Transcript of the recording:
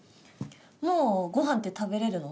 もうごはんって食べれるの？